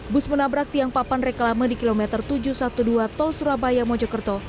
bus menabrak tiang papan reklame di kilometer tujuh ratus dua belas tol surabaya mojokerto